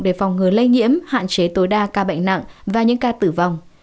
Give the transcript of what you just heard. để phòng ngừa lây nhiễm hạn chế tối đa ca bệnh nặng và những ca tử vong